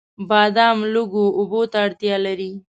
بادام لږو اوبو ته اړتیا لري.